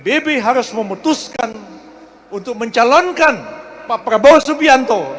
sekali ini pbb harus memutuskan untuk mencalonkan pak prabowo subianto